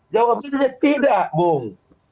jawabannya tidak bung